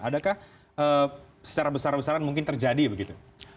adakah secara besar besaran mungkin terjadi begitu